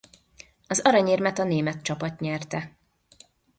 Az aranyérmet a német csapat nyerte.